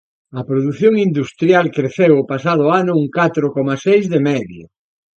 A produción industrial creceu o pasado ano un catro coma seis de media.